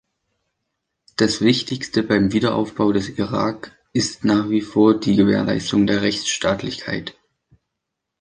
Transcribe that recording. Das Wichtigste beim Wiederaufbau des Irak ist nach wie vor die Gewährleistung der Rechtsstaatlichkeit.